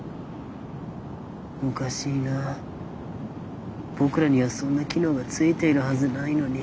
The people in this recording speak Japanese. おかしいな僕らにはそんな機能がついているはずないのに。